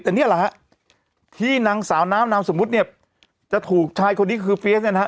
แต่เนี่ยแหละฮะที่นางสาวน้ำนามสมมุติเนี่ยจะถูกชายคนนี้คือเฟียสเนี่ยนะฮะ